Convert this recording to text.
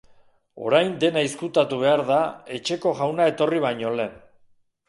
Orain dena izkutatu behar da etxeko jauna etorri baino lehen.